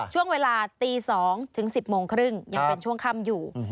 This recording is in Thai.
ช่วงเวลาตี๒๐๐ถึง๑๐๓๐นยังเป็นช่วงค่ำอยู่